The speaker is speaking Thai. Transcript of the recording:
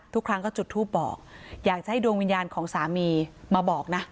ทุกครั้งก็จุดทูปบอกอยากจะให้ดวงวิญญาณของสามีมาบอกนะ